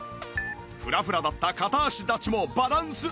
フラフラだった片足立ちもバランスアップ！